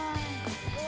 すごい。